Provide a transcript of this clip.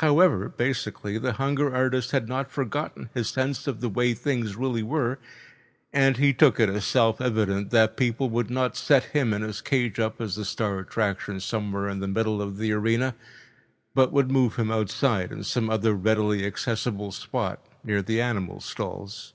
However, basically the hunger artist had not forgotten his sense of the way things really were, and he took it as self evident that people would not set him and his cage up as the star attraction somewhere in the middle of the arena, but would move him outside in some other readily accessible spot near the animal stalls.